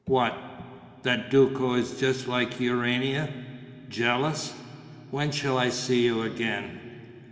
"What?" "That Duco is just like Urania." "Jealous?... When shall I see you again?"